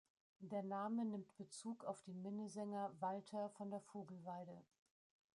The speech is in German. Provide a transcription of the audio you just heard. Der Name nimmt Bezug auf den Minnesänger Walther von der Vogelweide.